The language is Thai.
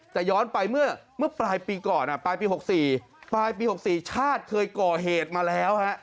แต่ย้อนไปเมื่อปลายปีก่อนปลายปี๖๔ปลายปี๖๔ชาติเคยก่อเหตุมาแล้วฮะ